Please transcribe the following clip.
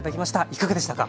いかがでしたか？